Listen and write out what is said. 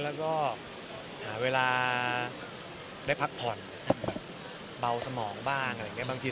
แล้วก็หาเวลาได้พักผ่อนแบบเบาสมองบ้างอะไรอย่างนี้บางที